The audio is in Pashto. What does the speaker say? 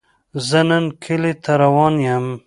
زۀ نن کلي ته روان يم